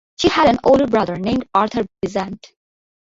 She had an older brother named Arthur Besant.